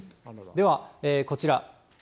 ではこちら。